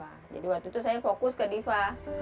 jadi waktu itu saya fokus ke diva